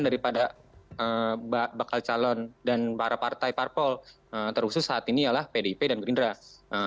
daripada bakal calon dan para partai parpol terkhusus saat ini ialah pdip dan gerindra